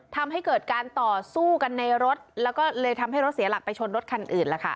ทำให้เกิดการต่อสู้กันในรถแล้วก็เลยทำให้รถเสียหลักไปชนรถคันอื่นล่ะค่ะ